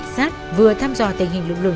rất là khó khăn